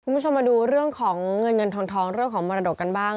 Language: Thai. คุณผู้ชมมาดูเรื่องของเงินเงินทองเรื่องของมรดกกันบ้าง